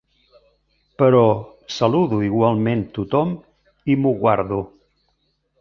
Però saludo igualment tothom i m'ho guardo.